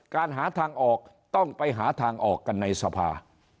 การหาทางออกต้องไปหาทางออกกันในสภา